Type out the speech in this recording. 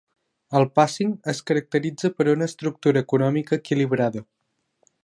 El Pasing es caracteritza per una estructura econòmica equilibrada.